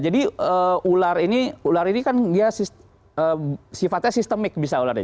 jadi ular ini kan dia sifatnya sistemik bisa ularnya